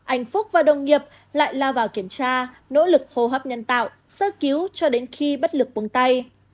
anh phúc và đồng nghiệp lại lao vào kiểm tra nỗ lực hô hấp nhân tạo sơ cứu cho đến khi bất lực bông tay